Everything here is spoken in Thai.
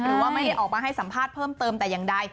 หรือว่าไม่ได้ออกมาให้สัมภาษณ์เพิ่มเติมแต่อย่างใด